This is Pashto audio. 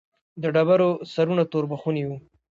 د ډبرو سرونه توربخوني وو.